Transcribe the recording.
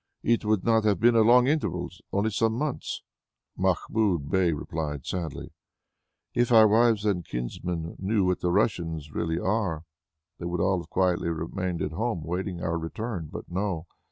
It would not have been a long interval, only some months." Mahmoud Bey replied sadly: "If our wives and kinsmen knew what the Russians really are, they would all have quietly remained at home, waiting our return. But no!